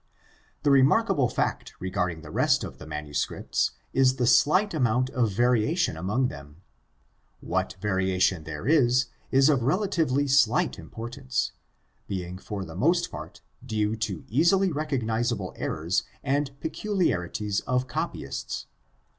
The remarkable fact regarding the rest of the manuscripts is the slight amount of variation among them. What variation there is, is of relatively slight importance, being for the most part due to easily recognizable errors and pecu liarities of copyists.